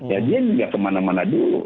ya dia juga kemana mana dulu